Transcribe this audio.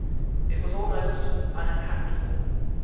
It was almost uninhabitable.